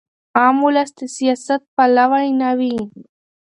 عام ولس د سیاست پلوی نه وي.